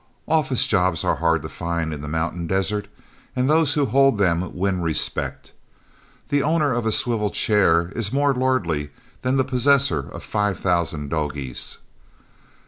Office jobs are hard to find in the mountain desert, and those who hold them win respect. The owner of a swivel chair is more lordly than the possessor of five thousand "doggies."